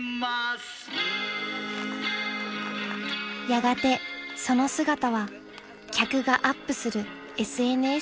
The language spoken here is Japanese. ［やがてその姿は客がアップするＳＮＳで拡散］